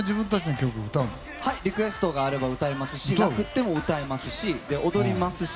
リクエストがあれば歌うしなくても歌いますし踊りますし。